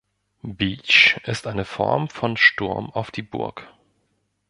Beach ist eine Form von "Sturm auf die Burg".